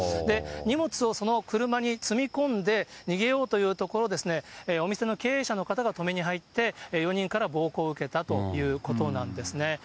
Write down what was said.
荷物をその車に積み込んで、逃げようというところを、お店の経営者の方が止めに入って、４人から暴行を受けたということなんですね。